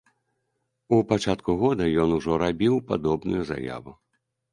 У пачатку года ён ужо рабіў падобную заяву.